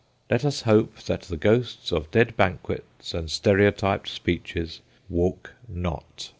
Let us hope that the ghosts of dead banquets and stereotyped speeches walk not.